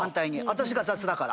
私が雑だから。